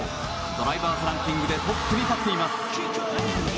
ドライバーズランキングでトップに立っています。